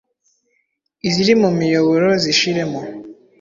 iziri mu miyoboro zishiremo